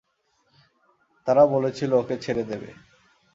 তারা বলেছিল ওকে ছেড়ে দেবে।